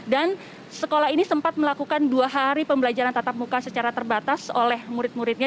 sekolah ini sempat melakukan dua hari pembelajaran tatap muka secara terbatas oleh murid muridnya